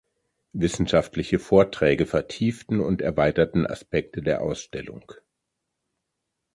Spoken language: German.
Wissenschaftliche Vorträge vertieften und erweiterten Aspekte der Ausstellung.